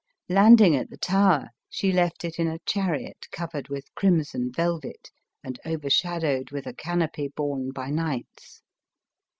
Landing at the Tower, she left it in a chariot covered with crimson velvet, and overshadowed with a canopy borne by knights.